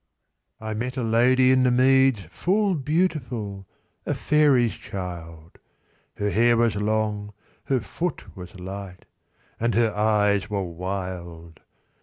IV.I met a lady in the meads, Full beautiful—a faery's child, Her hair was long, her foot was light, And her eyes were wild.